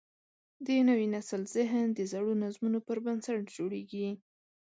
د نوي نسل ذهن د زړو نظمونو پر بنسټ جوړېږي.